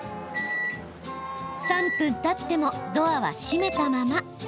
３分たってもドアは閉めたまま。